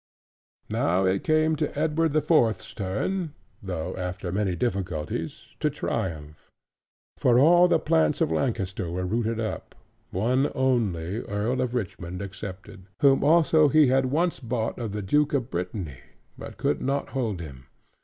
And now it came to Edward the Fourth's turn (though after many difficulties) to triumph. For all the plants of Lancaster were rooted up, one only Earl of Richmond excepted: whom also he had once bought of the Duke of Brittany, but could not hold him.